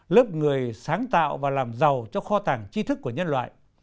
lớp người sáng tạo và làm giàu cho kho tàng chi thức của nhân loại